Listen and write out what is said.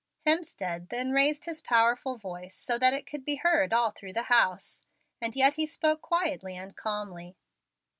Hemstead then raised his powerful voice, so that it could be heard all through the house, and yet he spoke quietly and calmly.